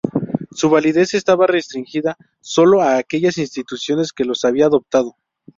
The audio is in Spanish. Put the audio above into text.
Su validez estaba restringida sólo a aquellas instituciones que los habían adoptado".